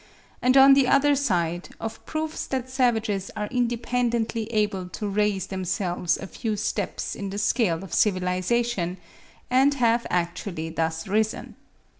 and on the other side, of proofs that savages are independently able to raise themselves a few steps in the scale of civilisation, and have actually thus risen.